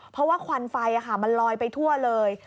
เพราะว่าควันไฟมันลอยไปทั่วเลย